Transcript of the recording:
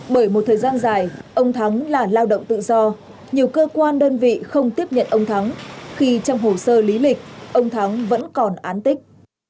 bởi một thời gian dài ông thắng là lao động tự do nhiều cơ quan đơn vị không tiếp nhận ông thắng khi trong hồ sơ lý lịch ông thắng vẫn còn án tích